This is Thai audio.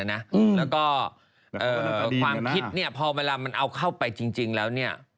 แล้วก็ความคิดพอเมื่อมันเอาเข้าไปจริงแล้ว